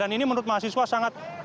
dan ini menurut mahasiswa sangat